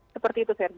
seperti itu sergi